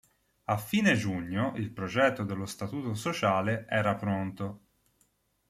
A fine giugno il progetto dello statuto sociale era pronto.